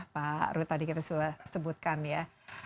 pak rud tadi kita sudah sebutkan ya